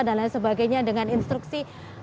dan lain sebagainya dengan instruksi